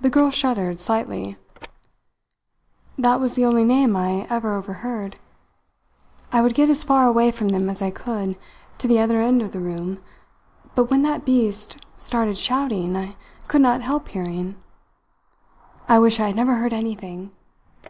The girl shuddered slightly. "That was the only name I ever overheard. I would get as far away from them as I could, to the other end of the room, but when that beast started shouting I could not help hearing. I wish I had never heard anything.